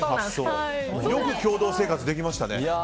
よく共同生活できましたね。